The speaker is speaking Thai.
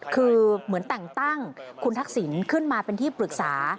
คือเหมือนแต่งตั้งคุณทักษิณขึ้นมาเป็นที่ปรึกษา